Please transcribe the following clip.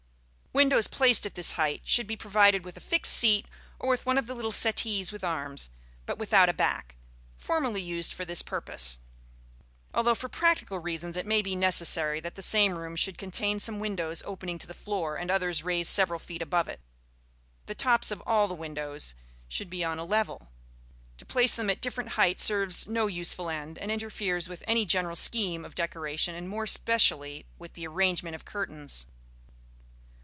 Windows placed at this height should be provided with a fixed seat, or with one of the little settees with arms, but without a back, formerly used for this purpose. Although for practical reasons it may be necessary that the same room should contain some windows opening to the floor and others raised several feet above it, the tops of all the windows should be on a level. To place them at different heights serves no useful end, and interferes with any general scheme of decoration and more specially with the arrangement of curtains.